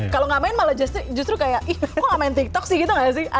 kalau nggak main malah justru kayak ih kok nggak main tiktok sih gitu nggak sih